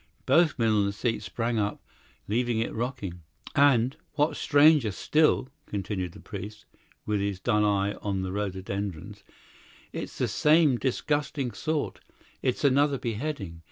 Both men on the seat sprang up, leaving it rocking. "And, what's stranger still," continued the priest, with his dull eye on the rhododendrons, "it's the same disgusting sort; it's another beheading.